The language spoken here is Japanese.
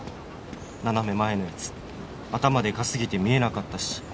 「斜め前のヤツ頭でかすぎて見えなかったし」